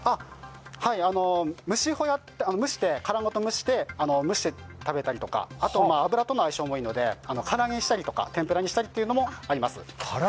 蒸しホヤっていってカラごと蒸して食べたりとかあと油との相性もいいので唐揚げにしたりとか天ぷらにしたりとかもあります。